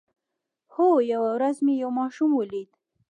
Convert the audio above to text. هو، یوه ورځ مې یو ماشوم ولید